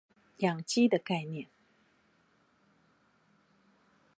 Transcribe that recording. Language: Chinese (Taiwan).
養雞的概念